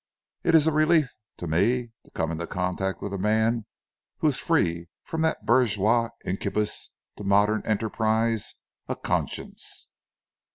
It is a relief to me to come into contact with a man who is free from that bourgeois incubus to modern enterprise a conscience."